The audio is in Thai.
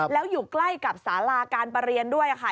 แล้วอยู่ใกล้กับสาราการประเรียนด้วยค่ะ